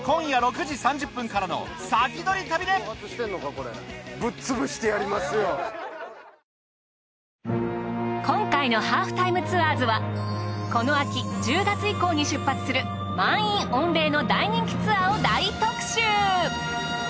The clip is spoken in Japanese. この続きは今回の「ハーフタイムツアーズ」はこの秋１０月以降に出発する満員御礼の大人気ツアーを大特集！